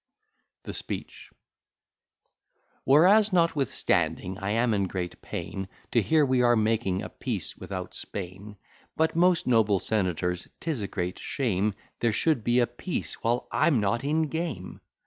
THE SPEECH Whereas, notwithstanding I am in great pain, To hear we are making a peace without Spain; But, most noble senators, 'tis a great shame, There should be a peace, while I'm _Not in game.